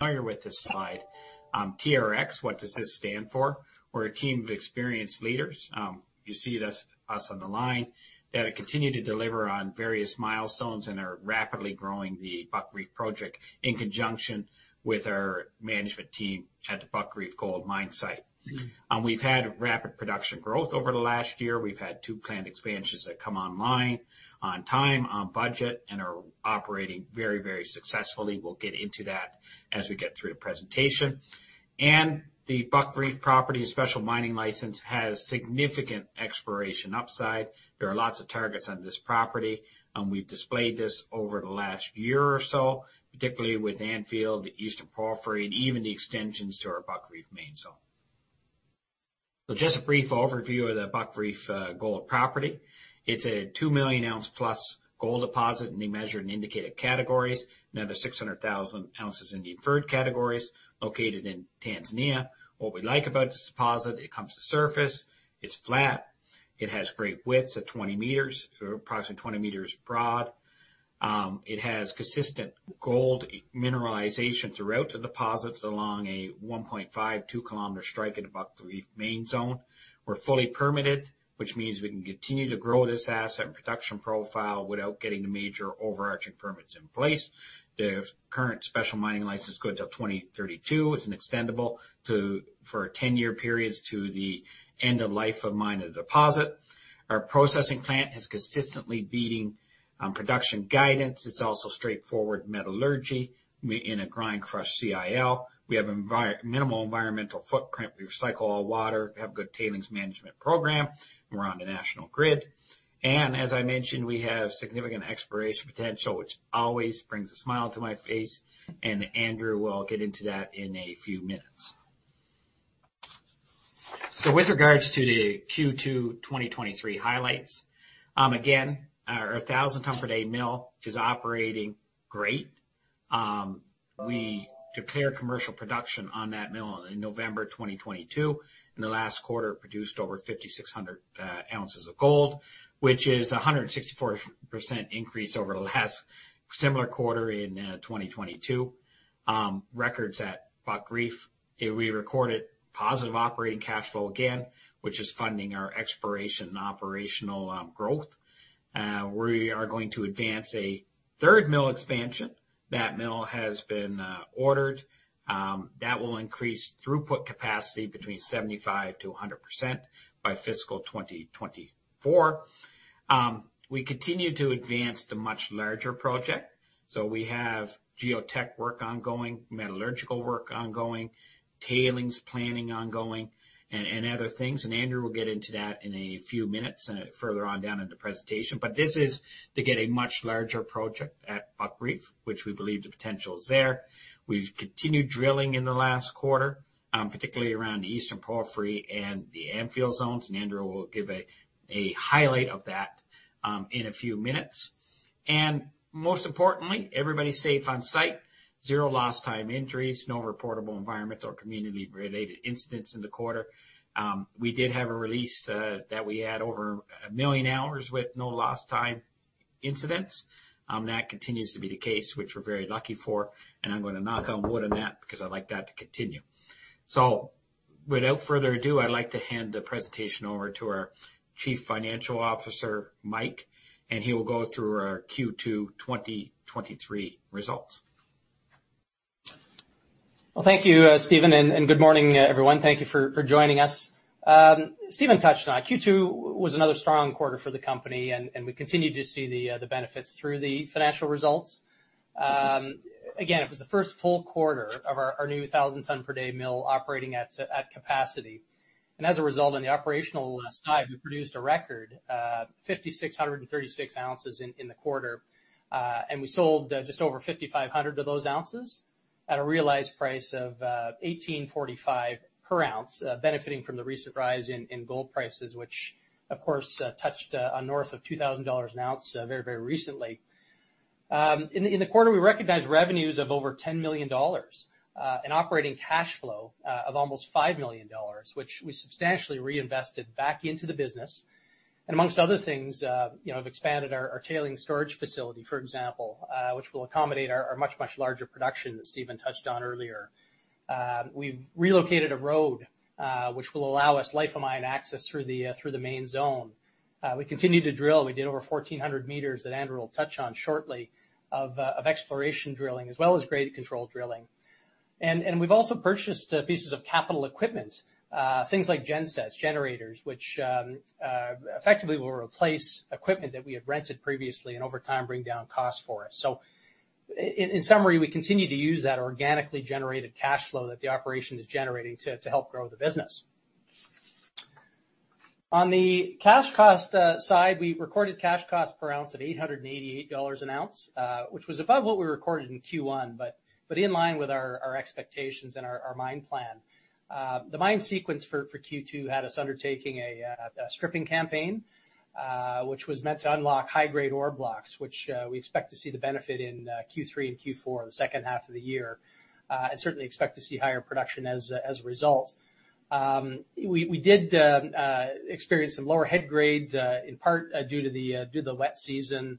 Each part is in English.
Familiar with this slide. TRX, what does this stand for? We're a team of experienced leaders. You see this, us on the line that have continued to deliver on various milestones and are rapidly growing the Buckreef Project in conjunction with our management team at the Buckreef Gold Mine site. We've had rapid production growth over the last year. We've had two planned expansions that come online on time, on budget, and are operating very, very successfully. We'll get into that as we get through the presentation. The Buckreef property Special Mining License has significant exploration upside. There are lots of targets on this property, and we've displayed this over the last year or so, particularly with Anfield, the Eastern Porphyry, and even the extensions to our Buckreef main zone. Just a brief overview of the Buckreef gold property. It's a 2 million ounce plus gold deposit in the measured and indicated categories. Another 600,000 ounces in the inferred categories located in Tanzania. What we like about this deposit, it comes to surface, it's flat, it has great widths of 20 meters or approximately 20 meters broad. It has consistent gold mineralization throughout the deposits along a 1.5, 2-kilometer strike at Buckreef main zone. We're fully permitted, which means we can continue to grow this asset and production profile without getting the major overarching permits in place. The current Special Mining License goes till 2032. It's an extendable to, for 10-year periods to the end of life of mine or deposit. Our processing plant is consistently beating production guidance. It's also straightforward metallurgy. We in a grind crush CIL. We have minimal environmental footprint. We recycle all water, have good tailings management program. We're on the national grid. As I mentioned, we have significant exploration potential, which always brings a smile to my face, and Andrew Cheatle will get into that in a few minutes. With regards to the Q2 2023 highlights, again, our a 1,000 ton per day mill is operating great. We declared commercial production on that mill in November 2022, and the last quarter produced over 5,600 ounces of gold, which is a 164% increase over the last similar quarter in 2022. Records at Buckreef, it recorded positive operating cash flow again, which is funding our exploration and operational growth. We are going to advance a third mill expansion. That mill has been ordered. That will increase throughput capacity between 75%-100% by fiscal 2024. We continue to advance the much larger project. We have geotech work ongoing, metallurgical work ongoing, tailings planning ongoing, and other things. Andrew will get into that in a few minutes and further on down in the presentation. This is to get a much larger project at Buckreef, which we believe the potential is there. We've continued drilling in the last quarter, particularly around the Eastern Porphyry and the Anfield zones, and Andrew will give a highlight of that in a few minutes. Most importantly, everybody's safe on-site. Zero lost time injuries, no reportable environmental or community-related incidents in the quarter. We did have a release that we had over 1 million hours with no lost time incidents. That continues to be the case, which we're very lucky for. I'm gonna knock on wood on that because I'd like that to continue. Without further ado, I'd like to hand the presentation over to our Chief Financial Officer, Mike, and he will go through our Q2 2023 results. Thank you, Steven, and good morning, everyone. Thank you for joining us. Steven touched on it. Q2 was another strong quarter for the company, we continued to see the benefits through the financial results. Again, it was the first full quarter of our new 1,000 ton per day mill operating at capacity. As a result, on the operational side, we produced a record 5,636 ounces in the quarter. We sold just over 5,500 of those ounces at a realized price of $1,845 per ounce, benefiting from the recent rise in gold prices, which of course touched on north of $2,000 an ounce very recently. In the, in the quarter, we recognized revenues of over $10 million, an operating cash flow of almost $5 million, which we substantially reinvested back into the business. Amongst other things, you know, have expanded our tailings storage facility, for example, which will accommodate our much, much larger production that Steven touched on earlier. We've relocated a road, which will allow us life of mine access through the main zone. We continued to drill. We did over 1,400 meters that Andrew will touch on shortly of exploration drilling, as well as grade control drilling. We've also purchased pieces of capital equipment, things like gensets, generators, which effectively will replace equipment that we had rented previously and over time, bring down costs for us. In summary, we continue to use that organically generated cash flow that the operation is generating to help grow the business. On the cash cost side, we recorded cash costs per ounce at $888 an ounce, which was above what we recorded in Q1, but in line with our expectations and our mine plan. The mine sequence for Q2 had us undertaking a stripping campaign, which was meant to unlock high-grade ore blocks, which we expect to see the benefit in Q3 and Q4, the second half of the year. And certainly expect to see higher production as a result. We did experience some lower head grades, in part due to the wet season.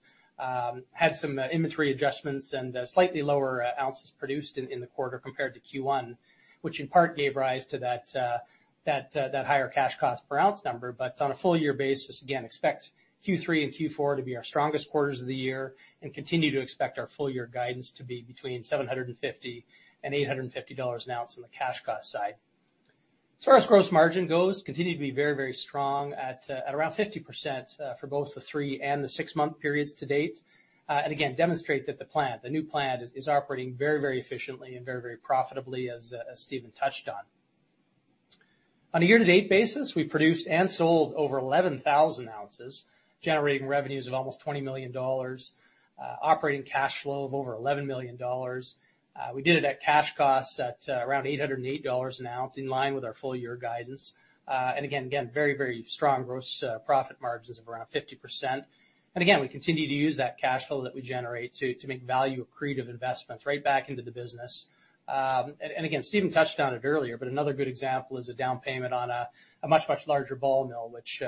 Had some inventory adjustments and slightly lower ounces produced in the quarter compared to Q1, which in part gave rise to that higher cash cost per ounce number. On a full year basis, again, expect Q3 and Q4 to be our strongest quarters of the year and continue to expect our full year guidance to be between $750 and $850 an ounce on the cash cost side. As far as gross margin goes, continue to be very, very strong at around 50% for both the 3 and 6-month periods to date. Again, demonstrate that the plant, the new plant is operating very, very efficiently and very, very profitably as Steven touched on. On a year-to-date basis, we produced and sold over 11,000 ounces, generating revenues of almost $20 million, operating cash flow of over $11 million. We did it at cash costs at around $808 an ounce, in line with our full year guidance. Again, very, very strong gross profit margins of around 50%. Again, we continue to use that cash flow that we generate to make value accretive investments right back into the business. Again, Steven touched on it earlier, but another good example is a down payment on a much, much larger ball mill, which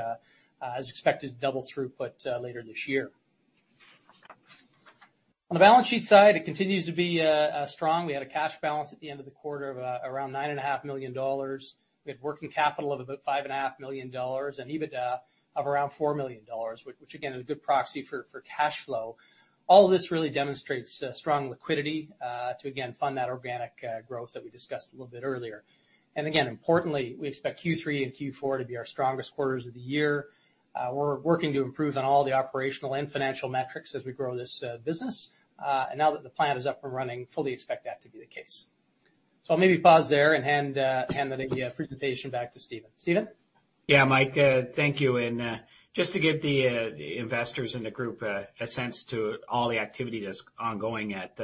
is expected to double throughput later this year. On the balance sheet side, it continues to be strong. We had a cash balance at the end of the quarter of around nine and a half million dollars. We had working capital of about five and a half million dollars, and EBITDA of around four million dollars, which again, is a good proxy for cash flow. All of this really demonstrates strong liquidity to again fund that organic growth that we discussed a little bit earlier. Importantly, we expect Q3 and Q4 to be our strongest quarters of the year. We're working to improve on all the operational and financial metrics as we grow this business. Now that the plant is up and running, fully expect that to be the case. I'll maybe pause there and hand the presentation back to Steven. Steven? Yeah, Mike, thank you. Just to give the investors and the group a sense to all the activity that's ongoing at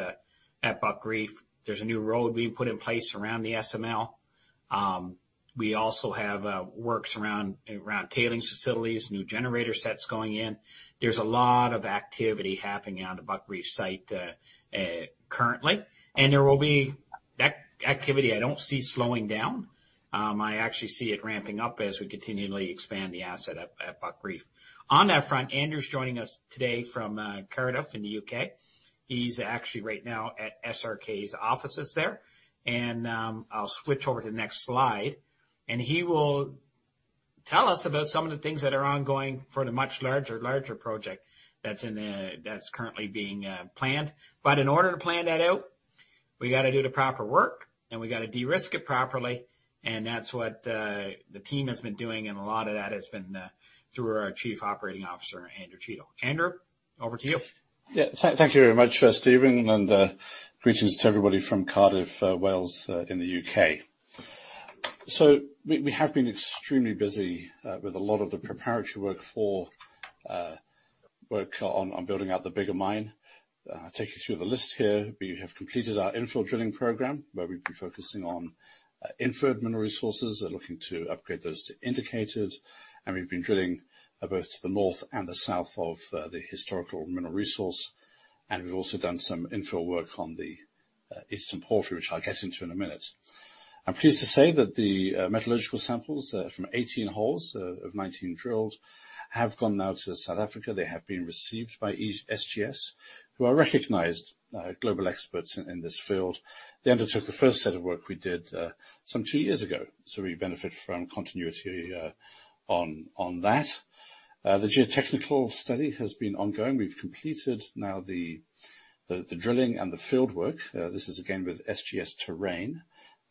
Buckreef. There's a new road being put in place around the SML. We also have works around tailings facilities, new generator sets going in. There's a lot of activity happening out at Buckreef site currently, and there will be... That activity I don't see slowing down. I actually see it ramping up as we continually expand the asset at Buckreef. On that front, Andrew's joining us today from Cardiff in the UK. He's actually right now at SRK's offices there. I'll switch over to the next slide, and he will tell us about some of the things that are ongoing for the much larger project that's in, that's currently being planned. In order to plan that out, we gotta do the proper work, and we gotta de-risk it properly, and that's what the team has been doing, and a lot of that has been through our chief operating officer, Andrew Cheatle. Andrew, over to you. Yeah. Thank you very much, Steven. Greetings to everybody from Cardiff, Wales, in the UK. We have been extremely busy with a lot of the preparatory work for work on building out the bigger mine. Take you through the list here. We have completed our infill drilling program, where we've been focusing on inferred mineral resources. We're looking to upgrade those to indicated. We've been drilling both to the north and the south of the historical mineral resource. We've also done some infill work on the eastern porphyry, which I'll get into in a minute. I'm pleased to say that the metallurgical samples from 18 holes of 19 drilled have gone now to South Africa. They have been received by each SGS, who are recognized global experts in this field. They undertook the first set of work we did some 2 years ago. We benefit from continuity on that. The geotechnical study has been ongoing. We've completed now the drilling and the field work. This is again with SGS-Terrain.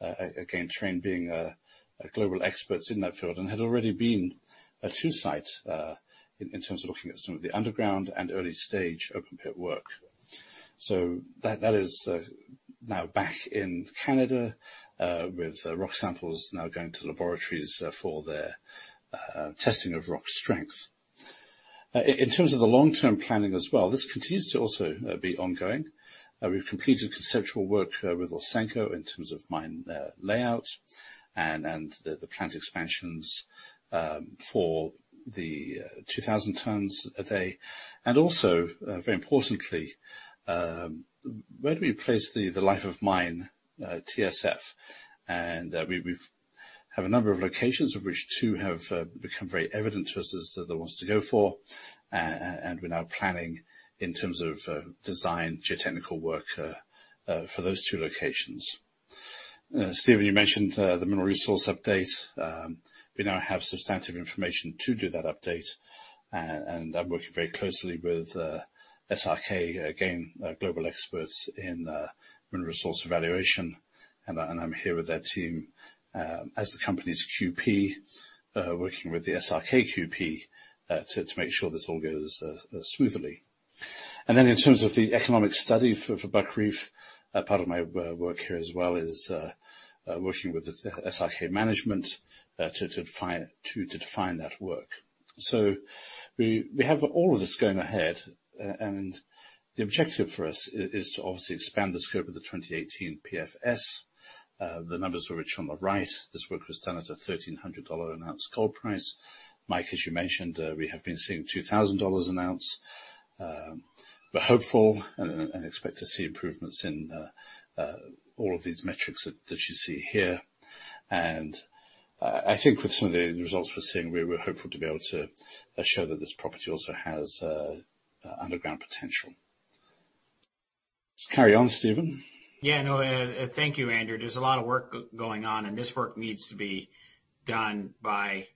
Again, Terrain being a global experts in that field and had already been to site in terms of looking at some of the underground and early stage open pit work. That is now back in Canada with rock samples now going to laboratories for their testing of rock strength. In terms of the long-term planning as well, this continues to also be ongoing. We've completed conceptual work with Ausenco in terms of mine layout and the plant expansions for the 2,000 tons a day. Also, very importantly, where do we place the life of mine TSF? We've have a number of locations of which two have become very evident to us as the ones to go for. We're now planning in terms of design geotechnical work for those two locations. Steven, you mentioned the mineral resource update. We now have substantive information to do that update, and I'm working very closely with SRK, again, global experts in mineral resource evaluation. I'm here with their team, as the company's QP, working with the SRK QP, to make sure this all goes smoothly. In terms of the economic study for Buckreef, part of my work here as well is working with the SRK management, to define that work. We have all of this going ahead. The objective for us is to obviously expand the scope of the 2018 PFS, the numbers for which are on the right. This work was done at a $1,300 an ounce gold price. Mike, as you mentioned, we have been seeing $2,000 an ounce. We're hopeful and expect to see improvements in all of these metrics that you see here. I think with some of the results we're seeing, we're hopeful to be able to show that this property also has underground potential. Let's carry on, Steven. Yeah. No, thank you, Andrew. There's a lot of work going on. This work needs to be done by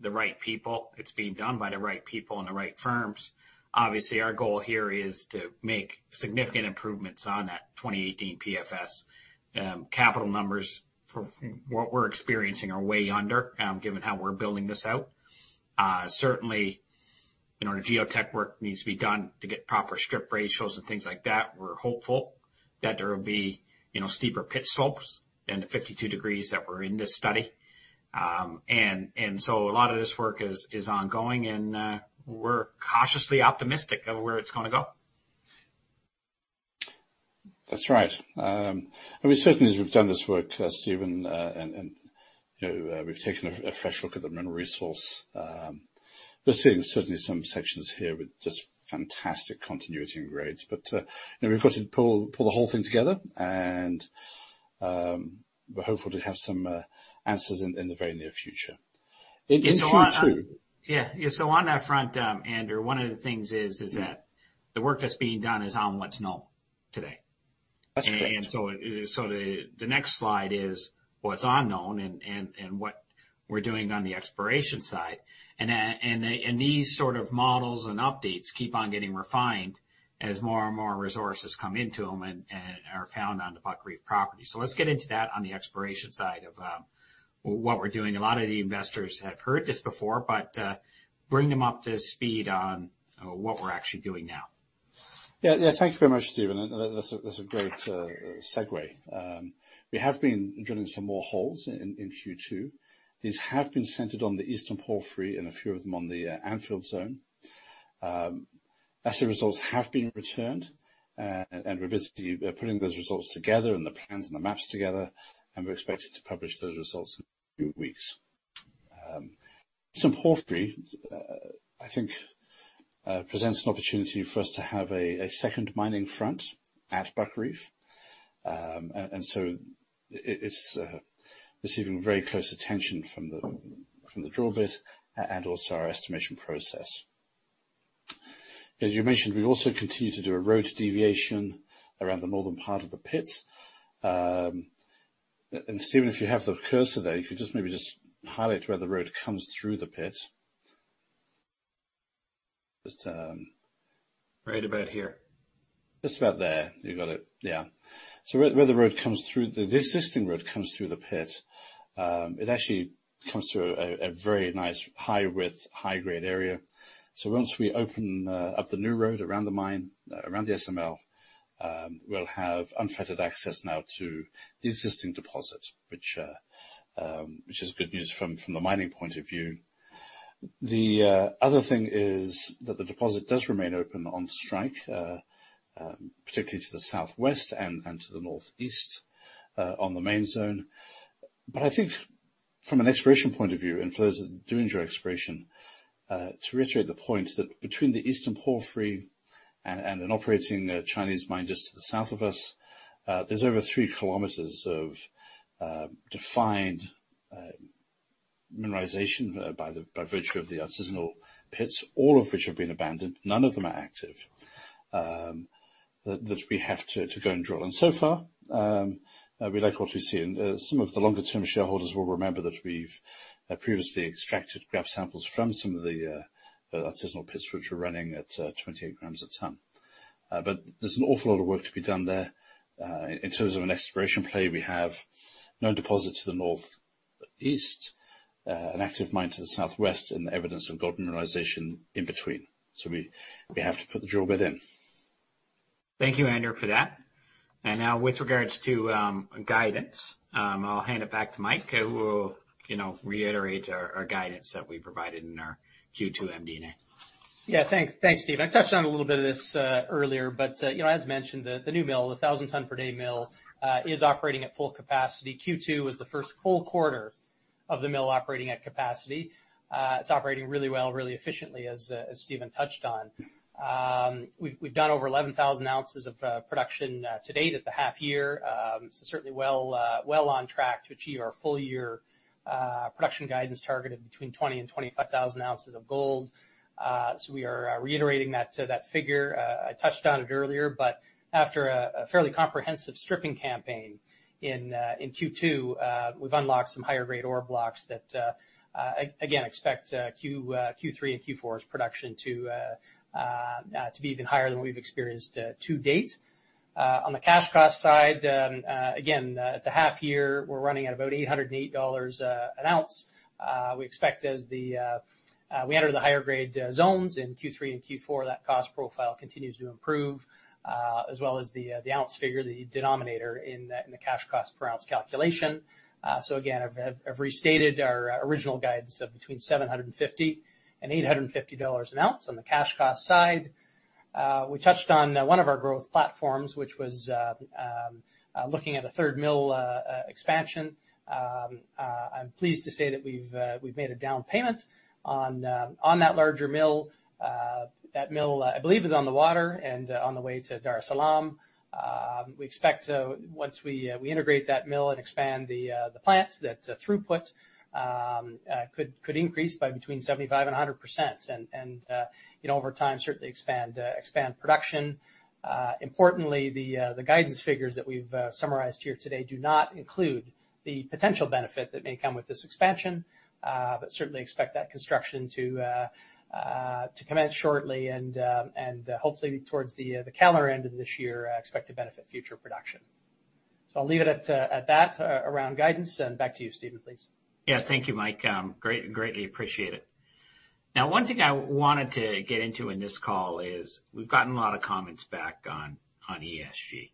the right people. It's being done by the right people and the right firms. Obviously, our goal here is to make significant improvements on that 2018 PFS. Capital numbers for what we're experiencing are way under, given how we're building this out. Certainly, you know, the geotech work needs to be done to get proper strip ratios and things like that. We're hopeful that there will be, you know, steeper pit slopes than the 52 degrees that were in this study. A lot of this work is ongoing, and we're cautiously optimistic of where it's gonna go. That's right. I mean, certainly, as we've done this work, Steven, and, you know, we've taken a fresh look at the mineral resource. We're seeing certainly some sections here with just fantastic continuity and grades. You know, we've got to pull the whole thing together and, we're hopeful to have some, answers in the very near future. In Q2... Yeah. On that front, Andrew, one of the things is that the work that's being done is on what's known today. That's correct. The next slide is what's unknown and what we're doing on the exploration side. These sort of models and updates keep on getting refined as more and more resources come into them and are found on the Buckreef property. Let's get into that on the exploration side of what we're doing. A lot of the investors have heard this before, but bring them up to speed on what we're actually doing now. Yeah. Thank you very much, Steven. That's a great segue. We have been drilling some more holes in Q2. These have been centered on the Eastern Porphyry and a few of them on the Anfield zone. Asset results have been returned, and we're basically putting those results together and the plans and the maps together, and we're expected to publish those results in a few weeks. Eastern Porphyry, I think, presents an opportunity for us to have a second mining front at Buckreef. It's receiving very close attention from the drill bit and also our estimation process. As you mentioned, we also continue to do a road deviation around the northern part of the pit. Steven, if you have the cursor there, you could just maybe just highlight where the road comes through the pit. Just. Right about here. Just about there. You got it. Yeah. Where the road comes through the existing road comes through the pit, it actually comes through a very nice high width, high grade area. Once we open up the new road around the mine, around the SML, we'll have unfettered access now to the existing deposit, which is good news from the mining point of view. The other thing is that the deposit does remain open on strike, particularly to the southwest and to the northeast, on the main zone. I think from an exploration point of view, and for those doing your exploration, to reiterate the point that between the Eastern Porphyry and an operating Chinese mine just to the south of us, there's over 3 kilometers of defined mineralization by virtue of the artisanal pits, all of which have been abandoned. None of them are active, that we have to go and drill. So far, we like what we're seeing. Some of the longer-term shareholders will remember that we've previously extracted graph samples from some of the artisanal pits, which are running at 28 grams a ton. There's an awful lot of work to be done there. In terms of an exploration play, we have known deposit to the northeast, an active mine to the southwest, and the evidence of gold mineralization in between. We have to put the drill bit in. Thank you, Andrew, for that. Now with regards to guidance, I'll hand it back to Mike, who will, you know, reiterate our guidance that we provided in our Q2 MD&A. Yeah. Thanks. Thanks, Steve. I touched on a little bit of this earlier, you know, as mentioned, the new mill, the 1,000 ton per day mill, is operating at full capacity. Q2 was the first full quarter of the mill operating at capacity. It's operating really well, really efficiently, as Steven touched on. We've done over 11,000 ounces of production to date at the half year. Certainly well, well on track to achieve our full year production guidance targeted between 20,000-25,000 ounces of gold. We are reiterating that figure. I touched on it earlier, but after a fairly comprehensive stripping campaign in Q2, we've unlocked some higher grade ore blocks that again, expect Q3 and Q4's production to be even higher than we've experienced to date. On the cash cost side, again, at the half year, we're running at about $808 an ounce. We expect as we enter the higher grade zones in Q3 and Q4, that cost profile continues to improve, as well as the ounce figure, the denominator in the cash cost per ounce calculation. Again, I've restated our original guidance of between $750 and $850 an ounce on the cash cost side. We touched on one of our growth platforms, which was looking at a third mill expansion. I'm pleased to say that we've made a down payment on that larger mill. That mill, I believe, is on the water and on the way to Dar es Salaam. We expect once we integrate that mill and expand the plant, that throughput could increase by between 75% and 100%. You know, over time, certainly expand production. Importantly, the guidance figures that we've summarized here today do not include the potential benefit that may come with this expansion, but certainly expect that construction to commence shortly and, hopefully towards the calendar end of this year, expect to benefit future production. I'll leave it at that around guidance and back to you, Steven, please. Yeah. Thank you, Mike. greatly appreciate it. One thing I wanted to get into in this call is we've gotten a lot of comments back on ESG,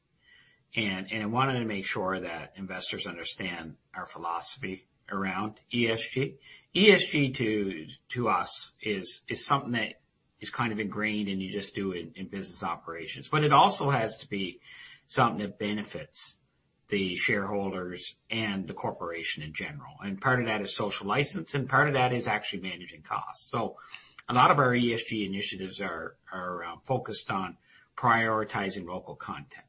and I wanted to make sure that investors understand our philosophy around ESG. ESG to us is something that is kind of ingrained, and you just do it in business operations, but it also has to be something that benefits the shareholders and the corporation in general. Part of that is social license, and part of that is actually managing costs. A lot of our ESG initiatives are focused on prioritizing local content.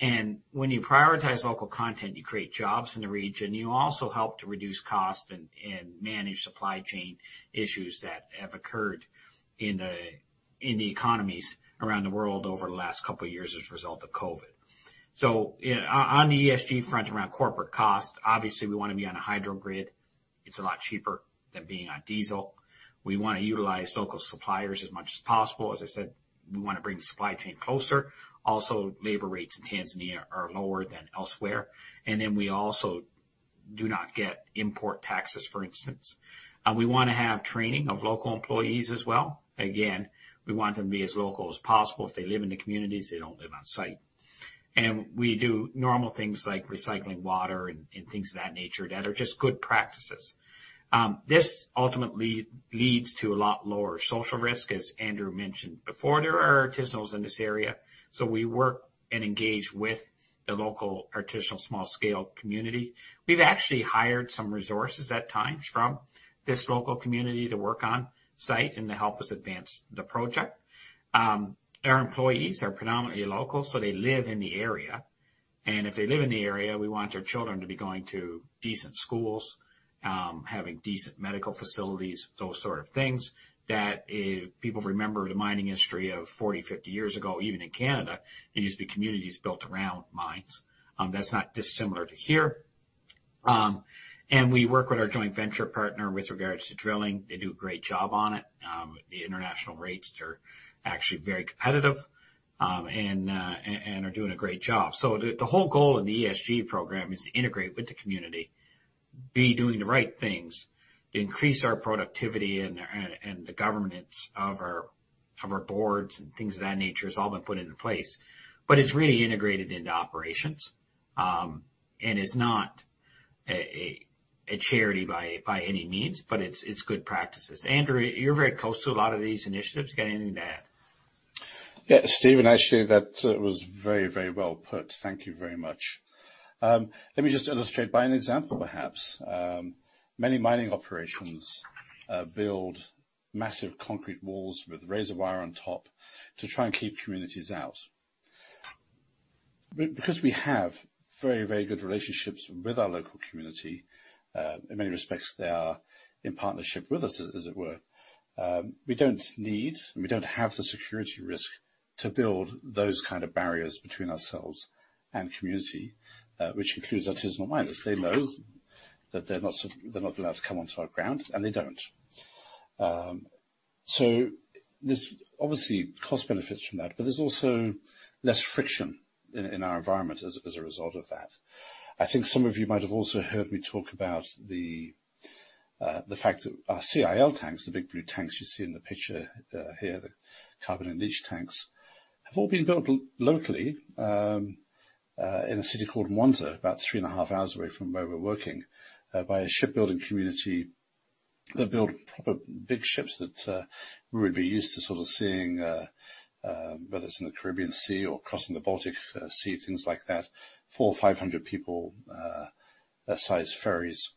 When you prioritize local content, you create jobs in the region. You also help to reduce costs and manage supply chain issues that have occurred in the economies around the world over the last couple of years as a result of COVID. On the ESG front around corporate cost, obviously, we wanna be on a hydro grid. It's a lot cheaper than being on diesel. We wanna utilize local suppliers as much as possible. As I said, we wanna bring the supply chain closer. Labor rates in Tanzania are lower than elsewhere. We also do not get import taxes, for instance. We wanna have training of local employees as well. Again, we want them to be as local as possible. If they live in the communities, they don't live on site. We do normal things like recycling water and things of that nature that are just good practices. This ultimately leads to a lot lower social risk, as Andrew mentioned. Before, there are artisanals in this area, so we work and engage with the local artisanal small scale community. We've actually hired some resources at times from this local community to work on site and to help us advance the project. Our employees are predominantly local, so they live in the area. If they live in the area, we want their children to be going to decent schools, having decent medical facilities, those sort of things that if people remember the mining history of 40, 50 years ago, even in Canada, it used to be communities built around mines. That's not dissimilar to here. We work with our joint venture partner with regards to drilling. They do a great job on it. The international rates are actually very competitive and are doing a great job. The whole goal of the ESG program is to integrate with the community, be doing the right things, increase our productivity and the governance of our boards and things of that nature has all been put into place. It's really integrated into operations and it's not a charity by any means, but it's good practices. Andrew, you're very close to a lot of these initiatives. Got anything to add? Yeah, Steven, actually, that was very, very well put. Thank you very much. Let me just illustrate by an example, perhaps. Many mining operations build massive concrete walls with razor wire on top to try and keep communities out. Because we have very, very good relationships with our local community, in many respects, they are in partnership with us, as it were, we don't need, and we don't have the security risk to build those kind of barriers between ourselves and community, which includes artisanal miners. They know that they're not allowed to come onto our ground, and they don't. There's obviously cost benefits from that, but there's also less friction in our environment as a result of that. I think some of you might have also heard me talk about the fact that our CIL tanks, the big blue tanks you see in the picture here, the carbon and leach tanks, have all been built locally in a city called Mwanza, about 3.5 hours away from where we're working by a shipbuilding community that build proper big ships that we would be used to sort of seeing whether it's in the Caribbean Sea or crossing the Baltic Sea, things like that. 400 or 500 people that size ferries.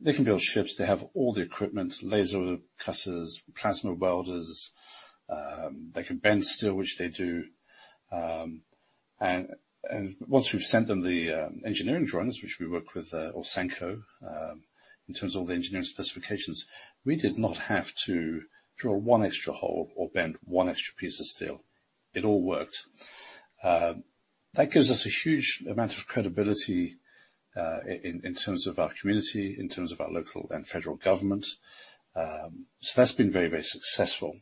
They can build ships. They have all the equipment, laser cutters, plasma welders. They can bend steel, which they do. Once we've sent them the engineering drawings, which we work with Ausenco, in terms of all the engineering specifications, we did not have to draw one extra hole or bend one extra piece of steel. It all worked. That gives us a huge amount of credibility in terms of our community, in terms of our local and federal government. That's been very, very successful.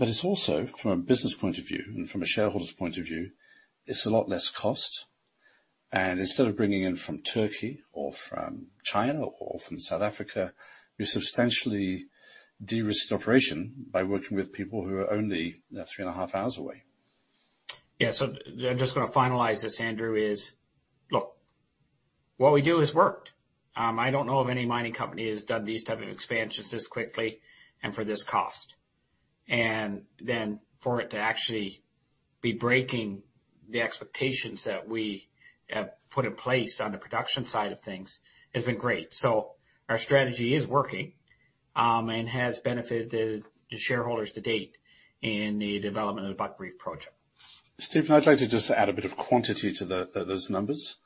It's also from a business point of view and from a shareholder's point of view, it's a lot less cost. Instead of bringing in from Turkey or from China or from South Africa, we substantially de-risked the operation by working with people who are only three and a half hours away. Yeah. I'm just gonna finalize this, Andrew, is, look, what we do has worked. I don't know of any mining company that has done these type of expansions this quickly and for this cost. For it to be breaking the expectations that we have put in place on the production side of things has been great. Our strategy is working, and has benefited the shareholders to date in the development of the Buckreef project. Steven, I'd like to just add a bit of quantity to those numbers.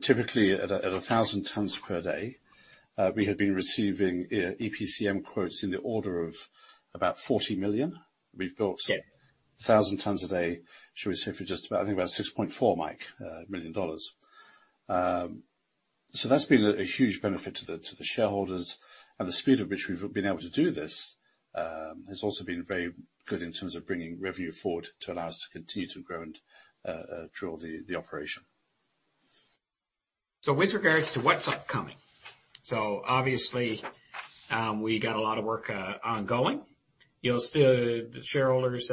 Typically at a 1,000 tons per day, we have been receiving EPCM quotes in the order of about $40 million. Yeah. 1,000 tons a day, shall we say for just about, I think, about $6.4 million. So that's been a huge benefit to the, to the shareholders. The speed at which we've been able to do this, has also been very good in terms of bringing revenue forward to allow us to continue to grow and, draw the operation. With regards to what's upcoming, obviously, we got a lot of work ongoing. The shareholders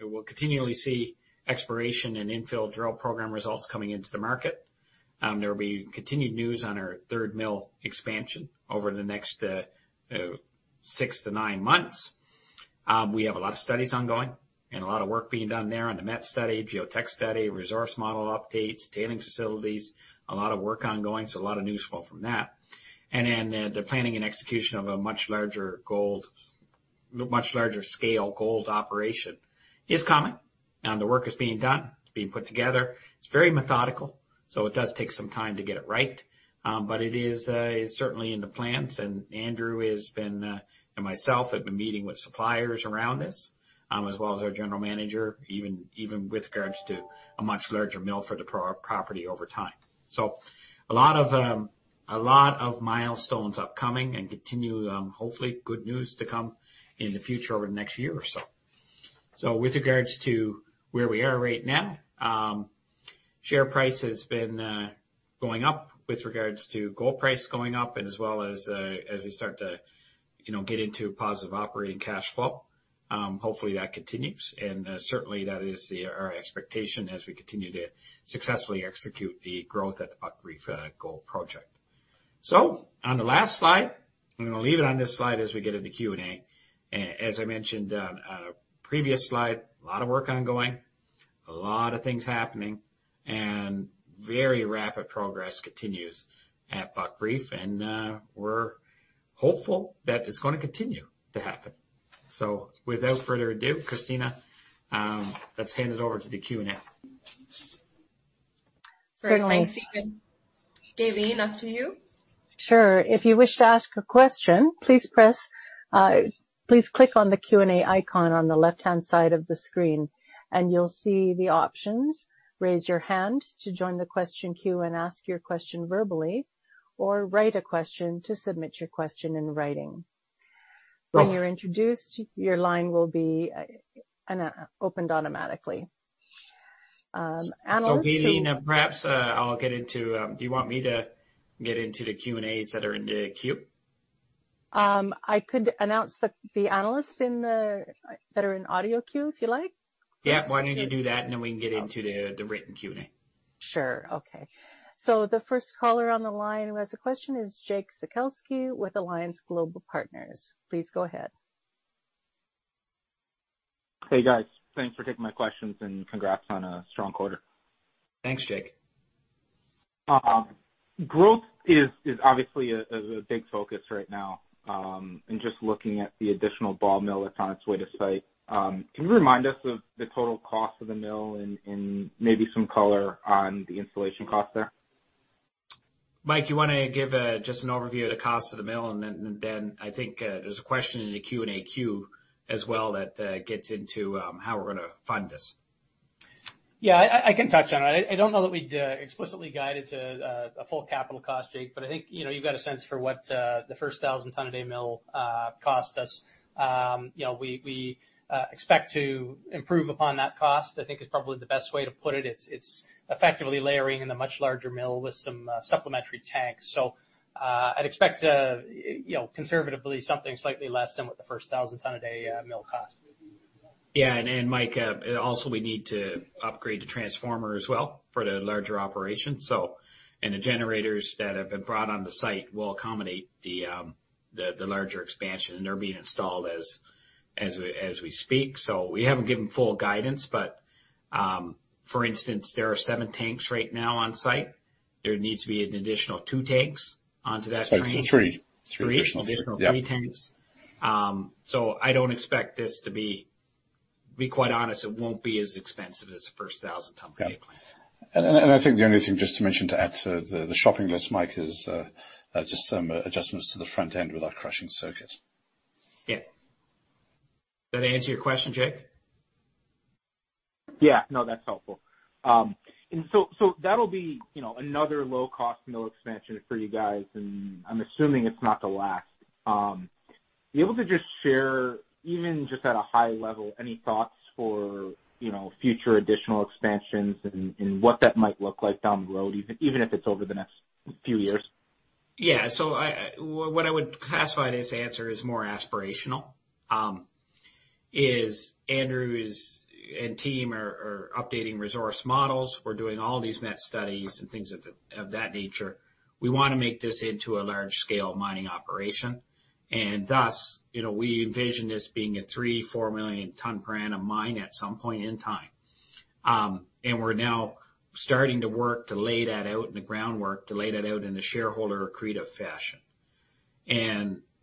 will continually see exploration and infill drill program results coming into the market. There will be continued news on our third mill expansion over the next 6 to 9 months. We have a lot of studies ongoing and a lot of work being done there on the met study, geotech study, resource model updates, tailing facilities, a lot of work ongoing, so a lot of news flow from that. The planning and execution of a much larger gold, much larger scale gold operation is coming. The work is being done. It's being put together. It's very methodical, so it does take some time to get it right. It is certainly in the plans and Andrew Cheatle has been, and myself have been meeting with suppliers around this, as well as our general manager, even with regards to a much larger mill for the property over time. A lot of milestones upcoming and continue, hopefully good news to come in the future over the next year or so. With regards to where we are right now, share price has been going up with regards to gold price going up and as well as we start to, you know, get into positive operating cash flow. Hopefully, that continues and certainly that is our expectation as we continue to successfully execute the growth at the Buckreef Gold Project. On the last slide, I'm gonna leave it on this slide as we get into Q&A. As I mentioned on a previous slide, a lot of work ongoing, a lot of things happening, and very rapid progress continues at Buckreef, and we're hopeful that it's gonna continue to happen. Without further ado, Christina, let's hand it over to the Q&A. Certainly. Great. Thanks, Steven. Gaylene, off to you. Sure. If you wish to ask a question, please click on the Q&A icon on the left-hand side of the screen, and you'll see the options. Raise your hand to join the question queue and ask your question verbally, or write a question to submit your question in writing. When you're introduced, your line will be opened automatically. Analysts who- Gaylene, perhaps, I'll get into, do you want me to get into the Q&As that are in the queue? I could announce the analysts in the, that are in audio queue, if you like. Yeah. Why don't you do that, and then we can get into the written Q&A. Sure. Okay. The first caller on the line who has a question is Jake Sekelsky with Alliance Global Partners. Please go ahead. Hey, guys. Thanks for taking my questions. Congrats on a strong quarter. Thanks, Jake. Growth is obviously a big focus right now, and just looking at the additional ball mill that's on its way to site. Can you remind us of the total cost of the mill and maybe some color on the installation cost there? Mike, you wanna give, just an overview of the cost of the mill, and then I think, there's a question in the Q&A queue as well that, gets into, how we're gonna fund this. Yeah. I can touch on it. I don't know that we'd explicitly guide it to a full capital cost, Jake, but I think, you know, you've got a sense for what the first 1,000 ton a day mill cost us. You know, we expect to improve upon that cost, I think is probably the best way to put it. It's effectively layering in a much larger mill with some supplementary tanks. I'd expect, you know, conservatively, something slightly less than what the first 1,000 ton a day mill cost. Yeah. Mike, also we need to upgrade the transformer as well for the larger operation. The generators that have been brought on the site will accommodate the larger expansion, and they're being installed as we speak. We haven't given full guidance, but, for instance, there are seven tanks right now on site. There needs to be an additional two tanks onto that train. Sorry, so 3. 3 additional. 3. Additional 3 tanks. I don't expect this. Be quite honest, it won't be as expensive as the first 1,000 ton per day plant. Yeah. I think the only thing just to mention to add to the shopping list, Mike, is just some adjustments to the front end with our crushing circuit. Yeah. That answer your question, Jake? Yeah. No, that's helpful. So that'll be, you know, another low cost mill expansion for you guys, and I'm assuming it's not the last. Be able to just share, even just at a high level, any thoughts for, you know, future additional expansions and what that might look like down the road, even if it's over the next few years? Yeah. I, what I would classify this answer as more aspirational, is Andrew and team are updating resource models. We're doing all these met studies and things of that nature. We wanna make this into a large-scale mining operation, and thus, you know, we envision this being a 3-4 million ton per annum mine at some point in time. We're now starting to work to lay that out in the groundwork, to lay that out in a shareholder accretive fashion.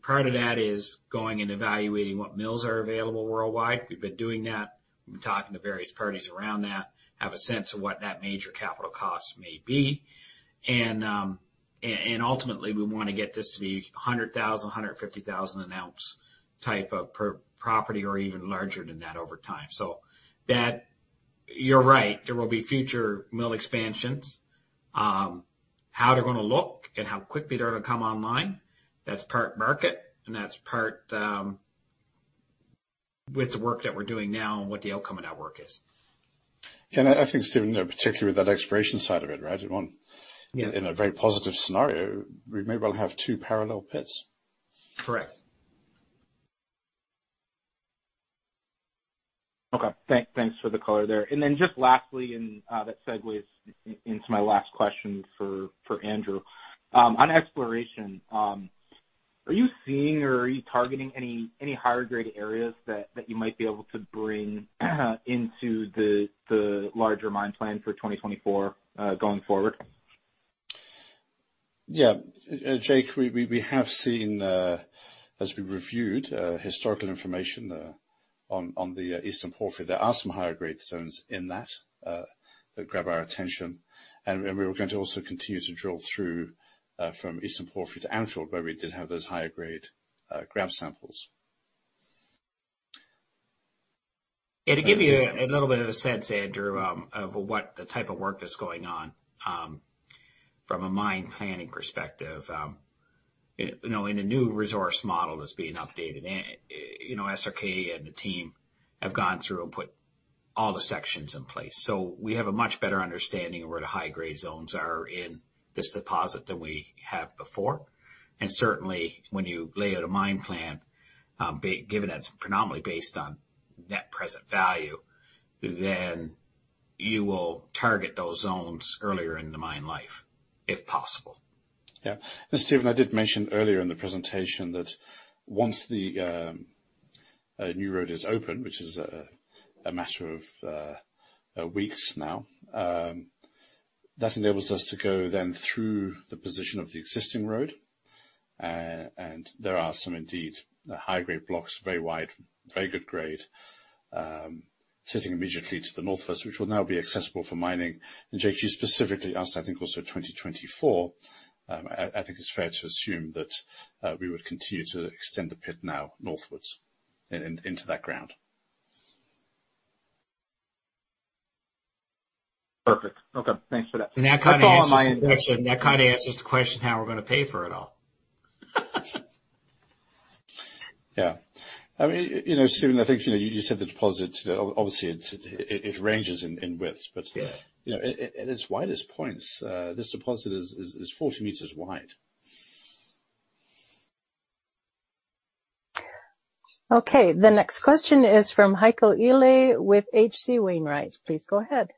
Part of that is going and evaluating what mills are available worldwide. We've been doing that. We've been talking to various parties around that, have a sense of what that major capital cost may be. Ultimately, we wanna get this to be a $100,000, $150,000 an ounce type of per property or even larger than that over time. You're right, there will be future mill expansions. How they're gonna look and how quickly they're gonna come online, that's part market, and that's part with the work that we're doing now and what the outcome of that work is. I think, Steven, particularly with that exploration side of it, right? Yeah. In a very positive scenario, we may well have two parallel pits. Correct. Okay. Thanks for the color there. Then just lastly, that segues into my last question for Andrew. On exploration, are you seeing or are you targeting any higher grade areas that you might be able to bring into the larger mine plan for 2024 going forward? Yeah. Jake, we have seen, as we reviewed, historical information on the Eastern Porphyry, there are some higher grade zones in that that grab our attention. We were going to also continue to drill through from Eastern Porphyry to Anfield, where we did have those higher grade grab samples. To give you a little bit of a sense, Andrew, of what the type of work that's going on, from a mine planning perspective, you know, in a new resource model that's being updated, you know, SRK and the team have gone through and put all the sections in place. We have a much better understanding of where the high-grade zones are in this deposit than we have before. Certainly when you lay out a mine plan, given that it's predominantly based on net present value, then you will target those zones earlier in the mine life, if possible. Yeah. Steven, I did mention earlier in the presentation that once the new road is open, which is a matter of weeks now, that enables us to go then through the position of the existing road. There are some indeed high-grade blocks, very wide, very good grade, sitting immediately to the northwest, which will now be accessible for mining. Jake, you specifically asked, I think also 2024, I think it's fair to assume that we would continue to extend the pit now northwards into that ground. Perfect. Okay. Thanks for that. That kind of answers the question. That kind of answers the question how we're going to pay for it all. Yeah. I mean, you know, Steven, I think, you know, you just said the deposit, obviously, it ranges in width. Yeah. You know, at its widest points, this deposit is 40 meters wide. Okay. The next question is from Heiko Ihle with H.C. Wainwright. Please go ahead.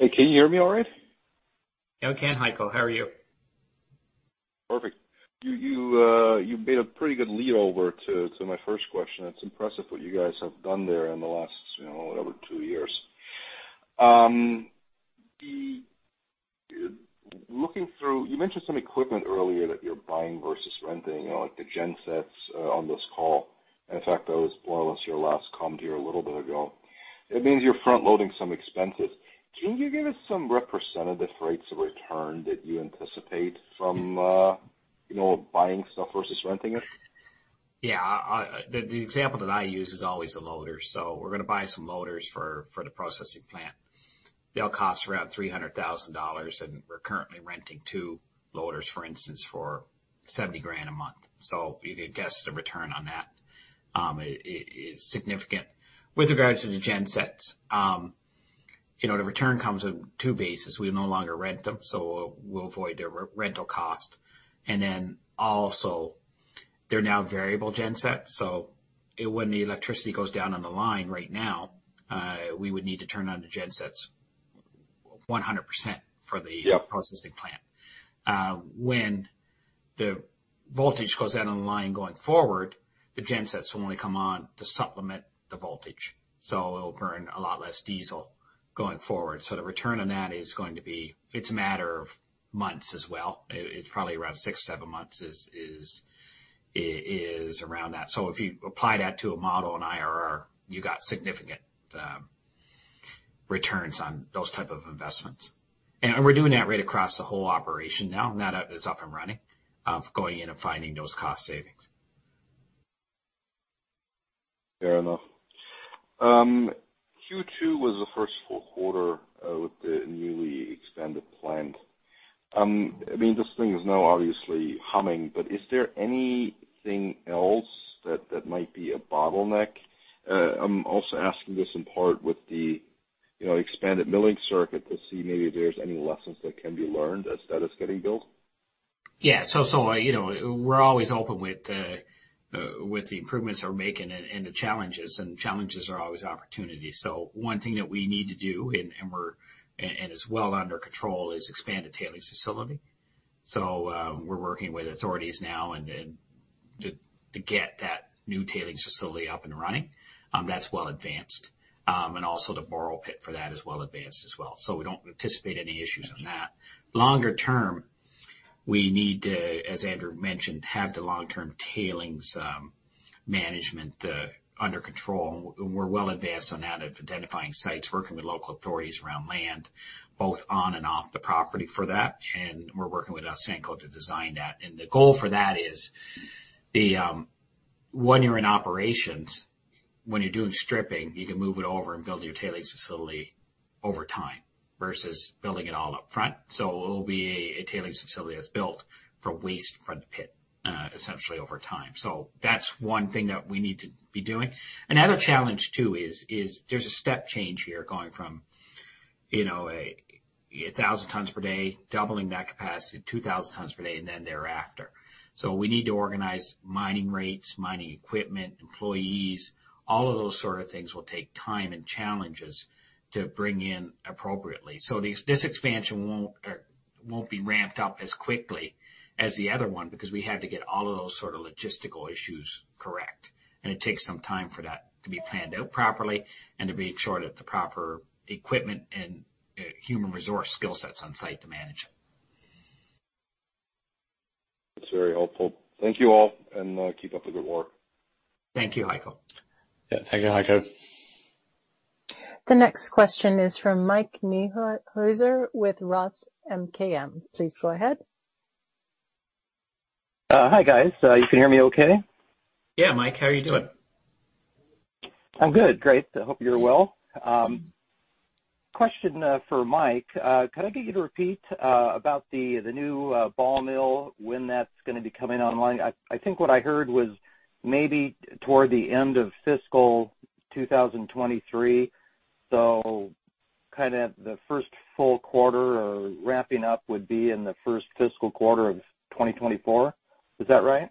Hey, can you hear me all right? Yeah, we can, Heiko. How are you? Perfect. You made a pretty good lead over to my first question. It's impressive what you guys have done there in the last, you know, over 2 years. Looking through, you mentioned some equipment earlier that you're buying versus renting, you know, like the gen sets on this call. In fact, that was more or less your last comment here a little bit ago. It means you're front-loading some expenses. Can you give us some representative rates of return that you anticipate from, you know, buying stuff versus renting it? Yeah. The example that I use is always a loader. We're gonna buy some loaders for the processing plant. They all cost around $300,000. We're currently renting two loaders, for instance, for $70,000 a month. You could guess the return on that is significant. With regards to the gen sets, you know, the return comes in two bases. We no longer rent them. We'll avoid the re-rental cost. They're now variable gen sets. When the electricity goes down on the line right now, we would need to turn on the gen sets 100% for the- Yep. Processing plant. When the voltage goes out on the line going forward, the gen sets will only come on to supplement the voltage. It'll burn a lot less diesel going forward. The return on that is going to be, it's a matter of months as well. It's probably around six, seven months is around that. If you apply that to a model in IRR, you got significant returns on those type of investments. We're doing that right across the whole operation now. Now that it's up and running, of going in and finding those cost savings. Fair enough. Q2 was the first full quarter with the newly expanded plant. I mean, this thing is now obviously humming, but is there anything else that might be a bottleneck? I'm also asking this in part with the, you know, expanded milling circuit to see maybe if there's any lessons that can be learned as that is getting built. Yeah. You know, we're always open with the improvements we're making and the challenges, and challenges are always opportunities. One thing that we need to do, and is well under control, is expand the tailings facility. We're working with authorities now and then to get that new tailings facility up and running, that's well advanced. Also the borrow pit for that is well advanced as well. We don't anticipate any issues on that. Longer term, we need to, as Andrew mentioned, have the long-term tailings management under control. We're well advanced on that of identifying sites, working with local authorities around land, both on and off the property for that. We're working with Ausenco to design that. The goal for that is the. when you're in operations, when you're doing stripping, you can move it over and build your tailings facility over time versus building it all up front. It'll be a tailings facility that's built for waste from the pit, essentially over time. That's one thing that we need to be doing. Another challenge too is there's a step change here going from, you know, 1,000 tons per day, doubling that capacity, 2,000 tons per day, and then thereafter. We need to organize mining rates, mining equipment, employees, all of those sort of things will take time and challenges to bring in appropriately. This expansion won't be ramped up as quickly as the other one because we had to get all of those sort of logistical issues correct, and it takes some time for that to be planned out properly and to make sure that the proper equipment and human resource skill set's on site to manage it. That's very helpful. Thank you all, and keep up the good work. Thank you, Heiko. Yeah. Thank you, Heiko. The next question is from Mike Niehuser with ROTH MKM. Please go ahead. Hi, guys. You can hear me okay? Mike, how are you doing? I'm good. Great. I hope you're well. Question for Mike. Could I get you to repeat about the new ball mill, when that's gonna be coming online? I think what I heard was maybe toward the end of fiscal 2023, so kind of the first full quarter or wrapping up would be in the first fiscal quarter of 2024. Is that right?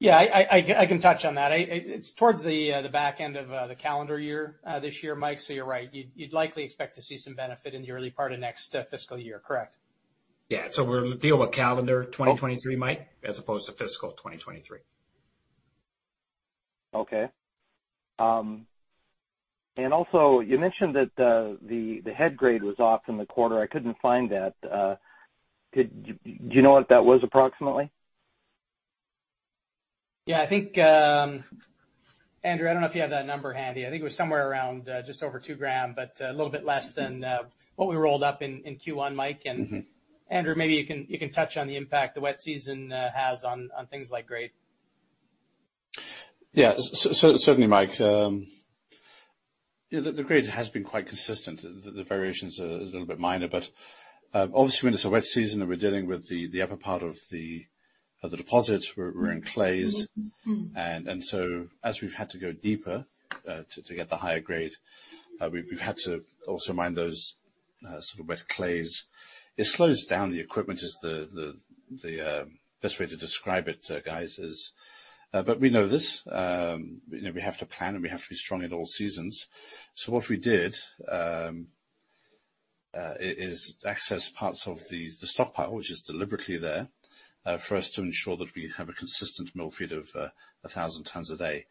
Yeah. I can touch on that. It's towards the back end of the calendar year this year, Mike. You're right. You'd likely expect to see some benefit in the early part of next fiscal year. Correct. Yeah. We're dealing with calendar 2023, Mike. Oh. as opposed to fiscal 2023. Okay. Also you mentioned that the head grade was off in the quarter. I couldn't find that. Do you know what that was approximately? Yeah. I think, Andrew Cheatle, I don't know if you have that number handy. I think it was somewhere around just over 2 gram, but a little bit less than what we rolled up in Q1, Mike Niehuser. Mm-hmm. Andrew, maybe you can touch on the impact the wet season has on things like grade. Yeah. Certainly, Mike. You know, the grade has been quite consistent. The variations are a little bit minor, but obviously when it's a wet season and we're dealing with the upper part of the deposit, we're in clays. As we've had to go deeper, to get the higher grade, we've had to also mine those sort of wet clays. It slows down the equipment, is the best way to describe it, guys, is. We know this. You know, we have to plan, and we have to be strong in all seasons. What we did, is access parts of the stockpile, which is deliberately there, for us to ensure that we have a consistent mill feed of 1,000 tons a day.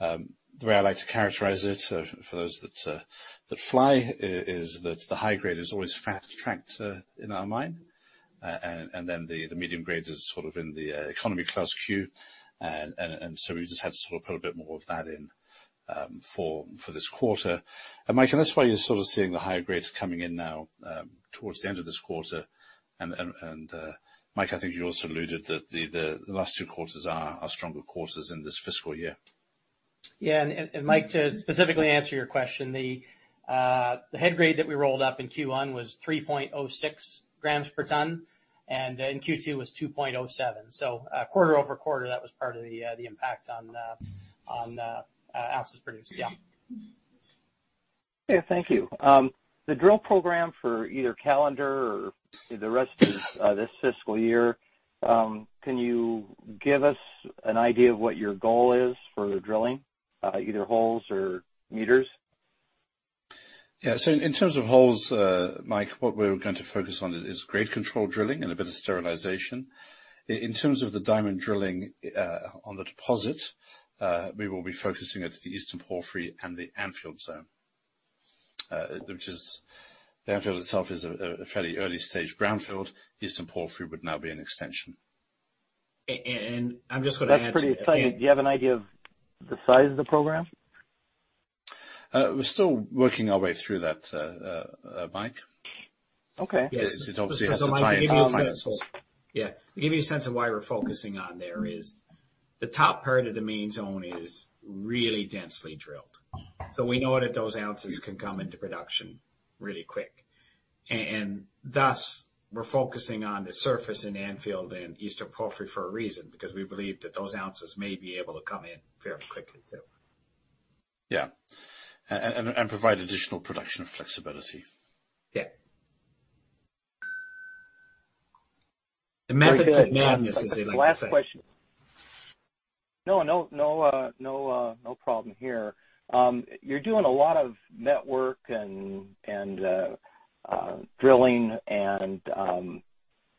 The way I like to characterize it for those that fly is that the high grade is always fast-tracked in our mine. Then the medium grade is sort of in the economy class queue. So we just had to sort of put a bit more of that in for this quarter. Mike, and that's why you're sort of seeing the higher grades coming in now towards the end of this quarter. Mike, I think you also alluded that the last 2 quarters are stronger quarters in this fiscal year. Yeah. Mike, to specifically answer your question, the head grade that we rolled up in Q1 was 3.06 grams per ton, and then Q2 was 2.07. Quarter-over-quarter, that was part of the impact on the ounces produced. Yeah. Thank you. The drill program for either calendar or the rest of this fiscal year, can you give us an idea of what your goal is for the drilling, either holes or meters? In terms of holes, Mike, what we're going to focus on is grade control drilling and a bit of sterilization. In terms of the diamond drilling, on the deposit, we will be focusing at the Eastern Porphyry and the Anfield Zone. The Anfield itself is a fairly early stage brownfield. Eastern Porphyry would now be an extension. I'm just gonna add. That's pretty exciting. Do you have an idea of the size of the program? We're still working our way through that, Mike. Okay. Yes. It obviously has to tie into- Yeah. To give you a sense of why we're focusing on there is the top part of the main zone is really densely drilled. We know that those ounces can come into production really quick. And thus, we're focusing on the surface in Anfield and Eastern Porphyry for a reason, because we believe that those ounces may be able to come in fairly quickly too. Yeah. Provide additional production flexibility. Yeah. The method to madness, as they like to say. No, no, no problem here. You're doing a lot of network and drilling and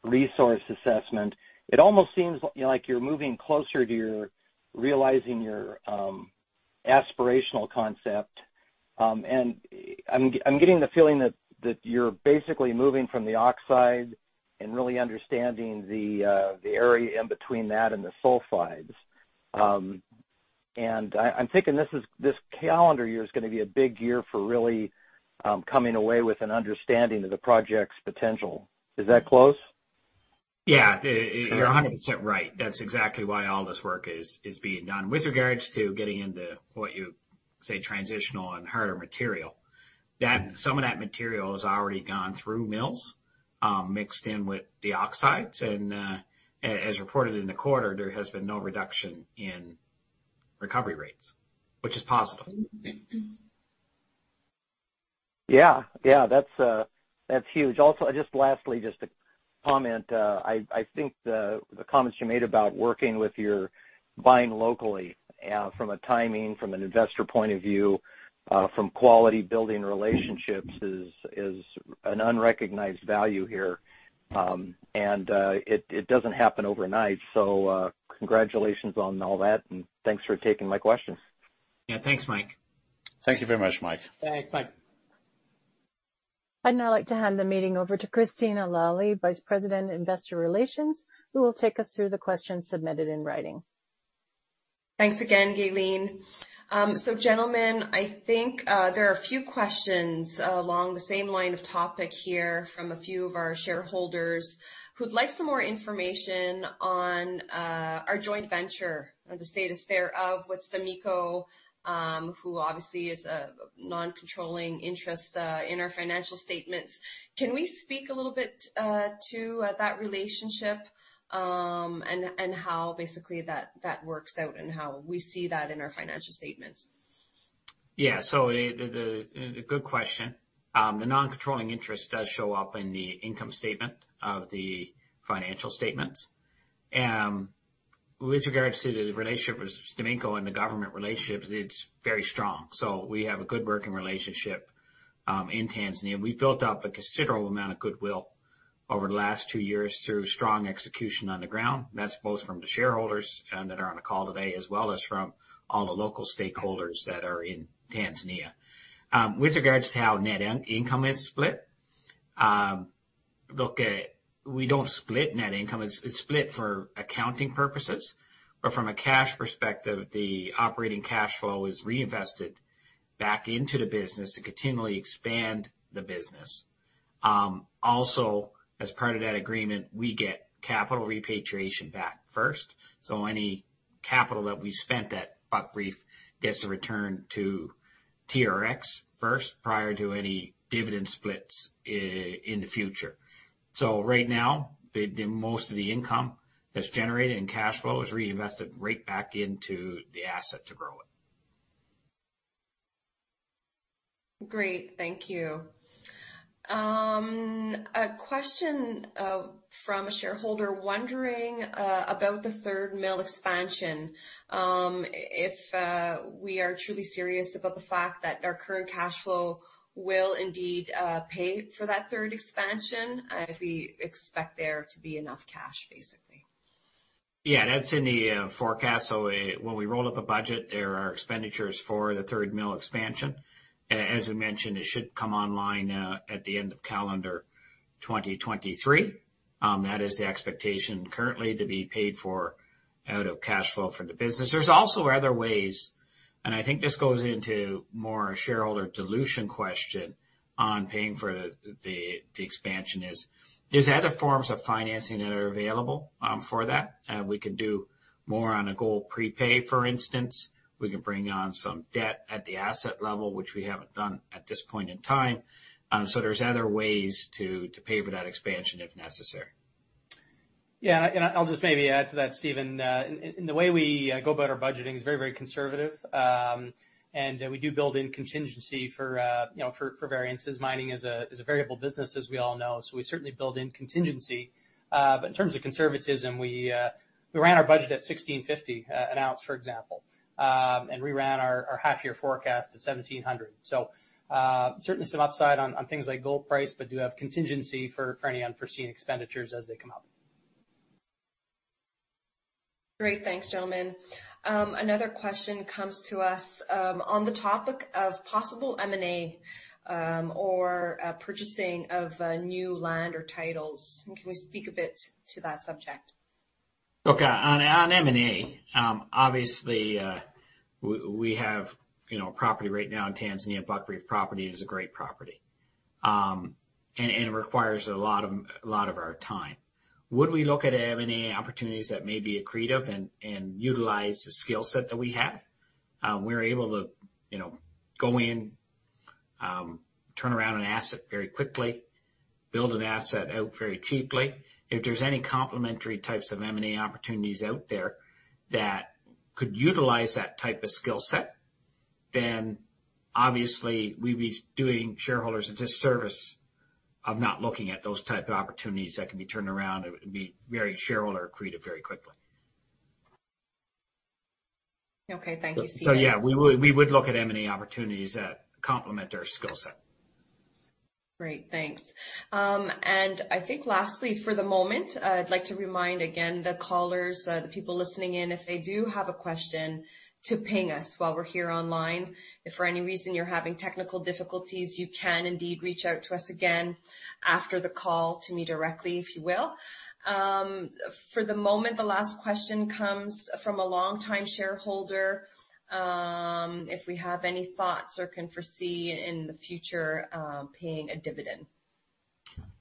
resource assessment. It almost seems like you're moving closer to your realizing your aspirational concept. I'm getting the feeling that you're basically moving from the oxide and really understanding the area in between that and the sulfides. I'm thinking This calendar year is gonna be a big year for really coming away with an understanding of the project's potential. Is that close? Yeah. You're 100% right. That's exactly why all this work is being done. With regards to getting into what you say, transitional and harder material, some of that material has already gone through mills, mixed in with the oxides. As reported in the quarter, there has been no reduction in recovery rates, which is positive. Yeah. Yeah. That's, that's huge. Also, just lastly, just to comment, I think the comments you made about working with your buying locally, from a timing, from an investor point of view, from quality building relationships is an unrecognized value here. And, it doesn't happen overnight. Congratulations on all that, and thanks for taking my questions. Yeah. Thanks, Mike. Thank you very much, Mike. Thanks. Bye. I'd now like to hand the meeting over to Christina Lalli, Vice President, Investor Relations, who will take us through the questions submitted in writing. Thanks again, Gaylene. Gentlemen, I think there are a few questions along the same line of topic here from a few of our shareholders who'd like some more information on our joint venture and the status thereof with STAMICO, who obviously is a non-controlling interest in our financial statements. Can we speak a little bit to that relationship, and how basically that works out and how we see that in our financial statements? Good question. The non-controlling interest does show up in the income statement of the financial statements. With regards to the relationship with STAMICO and the government relationships, it's very strong. We have a good working relationship in Tanzania. We've built up a considerable amount of goodwill over the last two years through strong execution on the ground. That's both from the shareholders that are on the call today, as well as from all the local stakeholders that are in Tanzania. With regards to how net income is split, we don't split net income. It's split for accounting purposes. From a cash perspective, the operating cash flow is reinvested back into the business to continually expand the business. Also, as part of that agreement, we get capital repatriation back first. Any capital that we spent at Buckreef gets to return to TRX first prior to any dividend splits in the future. Right now, the most of the income that's generated in cash flow is reinvested right back into the asset to grow it. Great. Thank you. A question from a shareholder wondering about the third mill expansion, if we are truly serious about the fact that our current cash flow will indeed pay for that third expansion, and if we expect there to be enough cash, basically. That's in the forecast. When we roll up a budget, there are expenditures for the third mill expansion. As we mentioned, it should come online at the end of calendar 2023. That is the expectation currently to be paid for out of cash flow from the business. There's also other ways, and I think this goes into more shareholder dilution question on paying for the expansion is. There's other forms of financing that are available for that. We can do more on a gold prepay, for instance. We can bring on some debt at the asset level, which we haven't done at this point in time. There's other ways to pay for that expansion if necessary. Yeah. I, and I'll just maybe add to that, Steven. The way we go about our budgeting is very, very conservative. We do build in contingency for, you know, for variances. Mining is a variable business, as we all know, so we certainly build in contingency. In terms of conservatism, we ran our budget at $1,650 an ounce, for example. We ran our half-year forecast at $1,700. Certainly some upside on things like gold price, but do have contingency for any unforeseen expenditures as they come up. Great. Thanks, gentlemen. Another question comes to us on the topic of possible M&A, or purchasing of new land or titles. Can we speak a bit to that subject? Look, on M&A, obviously, we have, you know, property right now in Tanzania. Buckreef property is a great property, and it requires a lot of our time. Would we look at M&A opportunities that may be accretive and utilize the skill set that we have? We're able to, you know, go in, turn around an asset very quickly, build an asset out very cheaply. If there's any complementary types of M&A opportunities out there that could utilize that type of skill set. Obviously we'd be doing shareholders a disservice of not looking at those type of opportunities that can be turned around. It would be very shareholder accretive very quickly. Okay, thank you, Steven. Yeah, we would look at M&A opportunities that complement our skill set. Great, thanks. I think lastly, for the moment, I'd like to remind again the callers, the people listening in, if they do have a question to ping us while we're here online. If for any reason you're having technical difficulties, you can indeed reach out to us again after the call to me directly, if you will. For the moment, the last question comes from a longtime shareholder. If we have any thoughts or can foresee in the future, paying a dividend?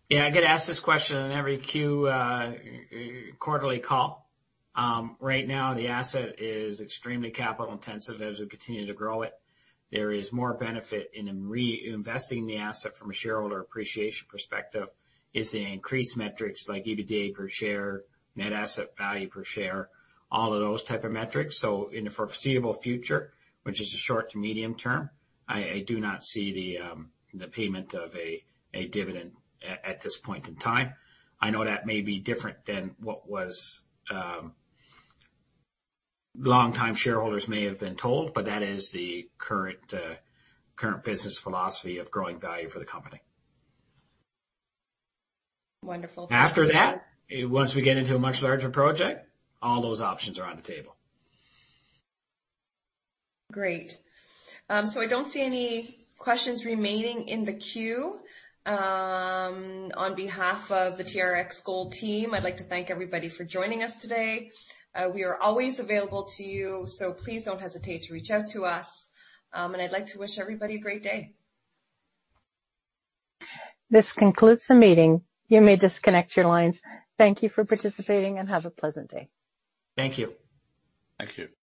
Yeah. I get asked this question on every quarterly call. Right now the asset is extremely capital intensive. As we continue to grow it, there is more benefit in re-investing the asset from a shareholder appreciation perspective is the increased metrics like EBITDA per share, net asset value per share, all of those type of metrics. In the foreseeable future, which is the short to medium term, I do not see the payment of a dividend at this point in time. I know that may be different than what was long-time shareholders may have been told, but that is the current business philosophy of growing value for the company. Wonderful. After that, once we get into a much larger project, all those options are on the table. Great. I don't see any questions remaining in the queue. On behalf of the TRX Gold team, I'd like to thank everybody for joining us today. We are always available to you, so please don't hesitate to reach out to us. I'd like to wish everybody a great day. This concludes the meeting. You may disconnect your lines. Thank you for participating, and have a pleasant day. Thank you. Thank you.